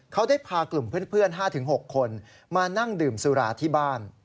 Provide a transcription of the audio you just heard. เขาได้พากลุ่มเพื่อน๕๖คนมานั่งดื่มสุราที่บ้าน